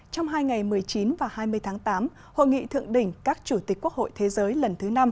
trong hai ngày một mươi chín và hai mươi tháng tám hội nghị thượng đỉnh các chủ tịch quốc hội thế giới lần thứ năm